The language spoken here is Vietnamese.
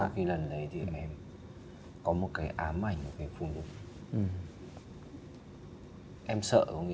sau khi lần đấy thì em có một cái ám ảnh của cái phụ nữ